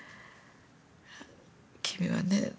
君はね